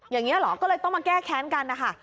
อย่างนี้เหรอก็เลยต้องมาแก้แค้นกันนะคะ